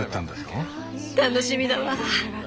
楽しみだわ。